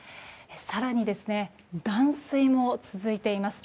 更に、断水も続いています。